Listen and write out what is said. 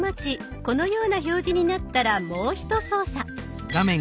このような表示になったらもうひと操作。